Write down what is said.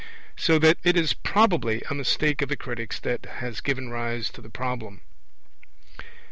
So that it is probably a mistake of the critics that has given rise to the Problem.